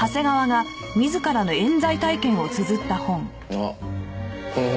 あっこの本。